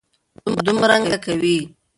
دومرنګه کوي.